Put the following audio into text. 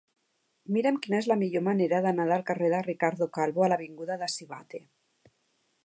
Mira'm quina és la millor manera d'anar del carrer de Ricardo Calvo a l'avinguda de Sivatte.